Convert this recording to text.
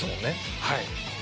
はい。